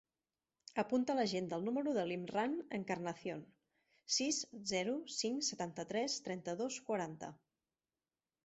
Apunta a l'agenda el número de l'Imran Encarnacion: sis, zero, cinc, setanta-tres, trenta-dos, quaranta.